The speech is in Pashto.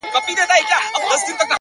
دا ستا په ياد كي بابولاله وايم؛